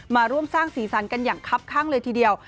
มาร่วมสร้างสีสันกันอย่างคับข้างเลยทีเดียว